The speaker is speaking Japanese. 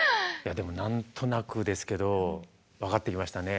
でも何となくですけど分かってきましたね。